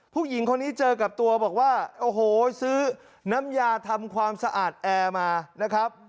ผู้หญิงคนนี้เจอกับตัวบอกว่าโอ้โหซื้อน้ำยาทำความสะอาดแอร์มานะครับ